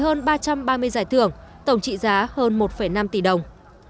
sẽ có hơn ba trăm ba mươi giải thưởng tổng trị giá hơn một năm tỷ đồng